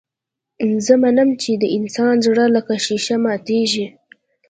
زه منم چې د انسان زړه لکه ښيښه ماتېږي.